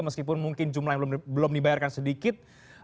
meskipun mungkin jumlahnya belum dibayarkan sedikit